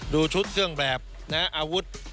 ดูชุดเครื่องแบบนะฮะอาวุธ